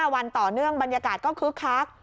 ๑๓๑๔๑๕๑๖๑๗๕วันต่อเนื่องบรรยากาศก็คึกคัก